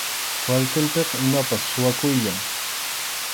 Kwartilpiqa imapas suwakuyllam.